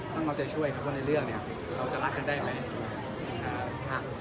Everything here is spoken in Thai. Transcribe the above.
ต้องเอาเจ้าช่วยว่าในเรื่องเราจะรักได้ไหม